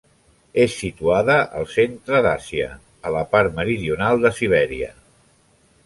És situada al centre de l'Àsia, a la part meridional de Sibèria.